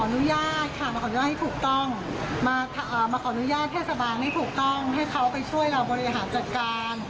ช่วยเราจัดการเพื่อที่จะได้แจกต่อไปได้ค่ะ